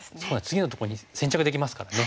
次のとこに先着できますからね